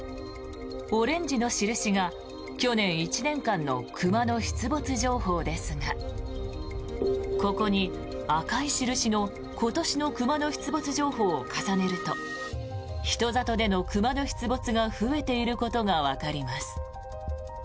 オレンジの印が去年１年間の熊の出没情報ですがここに赤い印の今年の熊の出没情報を重ねると人里での熊の出没が増えていることがわかります。